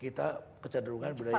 kita kecederungan budaya